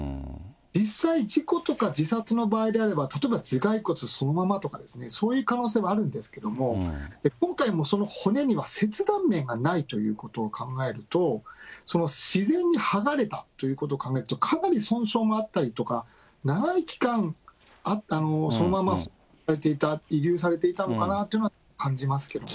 実際、事故とか自殺の場合であれば、例えば頭蓋骨そのままとかそういう可能性はあるんですけれども、今回も、その骨には切断面がないということを考えると、自然に剥がれたということを考えると、かなり損傷もあったりとか、長い期間あったのをそのまま放置されていた、遺留されていたのというのを感じますけどね。